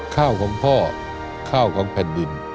ข้าวของพ่อข้าวของแผ่นดิน